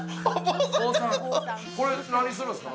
これ何するんすか？